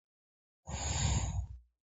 ფრთხილია; კარგად ცურავს და ყვინთავს.